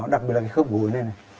đặc biệt là cái khớp gối này này